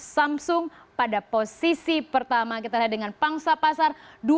samsung pada posisi pertama kita lihat dengan pangsa pasar